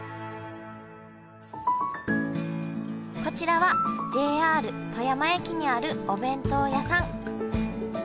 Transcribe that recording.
こちらはＪＲ富山駅にあるお弁当屋さん。